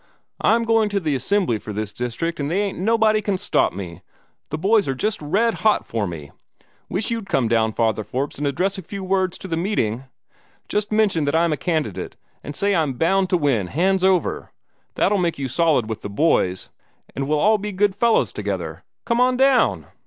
I'm going to the Assembly for this district, and they ain't nobody can stop me. The boys are just red hot for me. Wish you'd come down, Father Forbes, and address a few words to the meeting just mention that I'm a candidate, and say I'm bound to win, hands down. That'll make you solid with the boys, and we'll be all good fellows together. Come on down!"